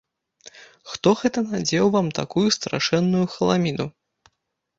Хто гэта надзеў вам такую страшэнную халаміду?